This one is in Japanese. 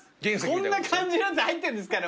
こんな感じのやつ入ってんですかね